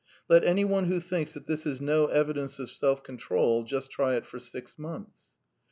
Let anyone who thinks that this is no evidence of self control just try it for six months.